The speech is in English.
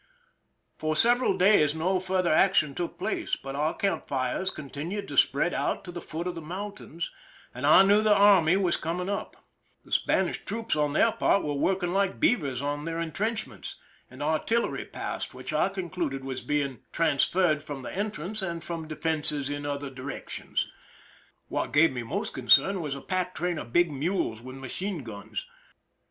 For several days no further action took place, but our camp fires continued to spread out to the foot of the mountains, and I knew that the army was coming up^ The Spanish troops, on their part, were working like beavers on their intrenchments, and artillery passed which I concluded was being transferred from the entrance and from defenses in 261 THE SINKING OF THE "MERRIMAC' other directions. "What gave me most concern was a pack train of big mules with machine guns.